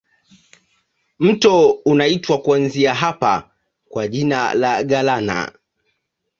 Mto unaitwa kuanzia hapa kwa jina la Galana.